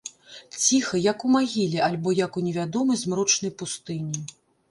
Ціха, як у магіле альбо як у невядомай змрочнай пустыні.